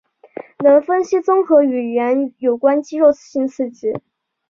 能分析综合与语言有关肌肉性刺激。